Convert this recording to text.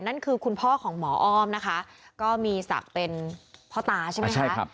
นั่นคือคุณพ่อของหมออ้อมนะคะก็มีศักดิ์เป็นพ่อตาใช่ไหมคะ